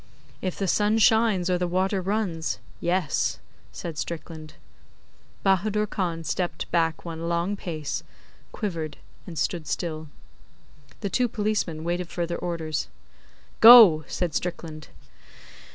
'If the sun shines or the water runs yes!' said Strickland. Bahadur Khan stepped back one long pace, quivered, and stood still. The two policemen waited further orders. 'Go!' said Strickland.